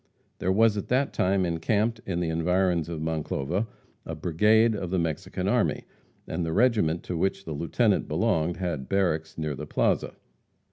There was at that time encamped, in the environs of Monclova, a brigade of the Mexican army, and the regiment to which the lieutenant belonged had barracks near the plaza.